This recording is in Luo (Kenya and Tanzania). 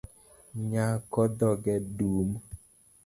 Nyako dhoge dum